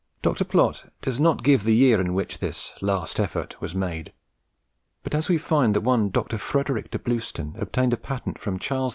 Dr. Plot does not give the year in which this "last effort" was made; but as we find that one Dr. Frederic de Blewston obtained a patent from Charles II.